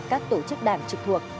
các tổ chức đảng trực thuộc